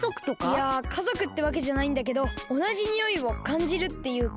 いやかぞくってわけじゃないんだけどおなじにおいをかんじるっていうか。